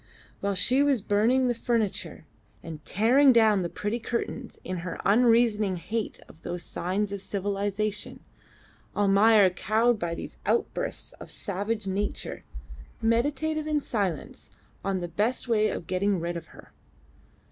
While she was burning the furniture, and tearing down the pretty curtains in her unreasoning hate of those signs of civilisation, Almayer, cowed by these outbursts of savage nature, meditated in silence on the best way of getting rid of her.